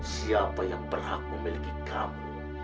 siapa yang berhak memiliki kamu